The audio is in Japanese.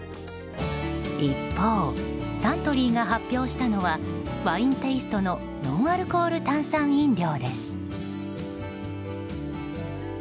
一方、サントリーが発表したのはワインテイストのノンアルコール炭酸飲料です。